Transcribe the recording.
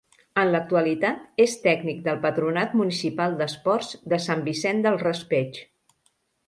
En l'actualitat, és tècnic del Patronat Municipal d'Esports de Sant Vicent del Raspeig.